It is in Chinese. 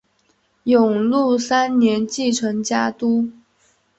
永禄三年继承家督。